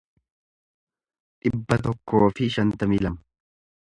dhibba tokkoo fi shantamii lama